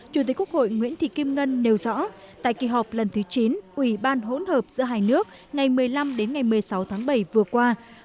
chủ tịch quốc hội nguyễn thị kim ngân nêu rõ tại kỳ họp lần thứ chín ủy ban hỗn hợp giữa hai nước ngày một mươi năm đến ngày một mươi sáu tháng bảy vừa qua